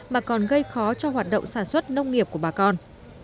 mà còn gây khó cho hoạt động sản xuất nông nghiệp của bà con